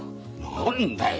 何だよ